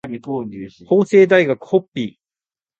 法政大学ホッピー